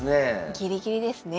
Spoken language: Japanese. ギリギリですね。